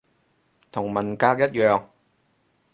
同文革一樣